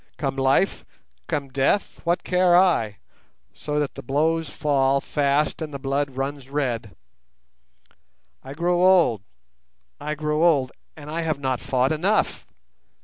Come life, come death, what care I, so that the blows fall fast and the blood runs red? I grow old, I grow old, and I have not fought enough!